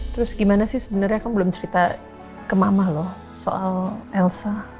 terus gimana sih sebenarnya kan belum cerita ke mama loh soal elsa